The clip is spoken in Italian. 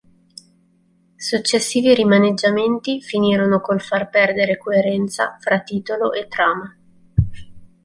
Successivi rimaneggiamenti finirono col far perdere coerenza fra titolo e trama.